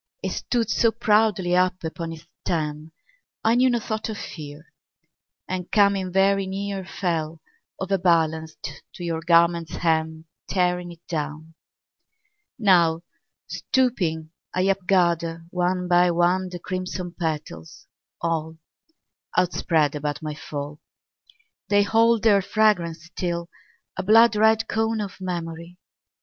It stood so proudly up upon its stem, I knew no thought of fear, And coming very near Fell, overbalanced, to your garment's hem, Tearing it down. Now, stooping, I upgather, one by one, The crimson petals, all Outspread about my fall. They hold their fragrance still, a blood red cone Of memory.